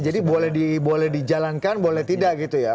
jadi boleh dijalankan boleh tidak gitu ya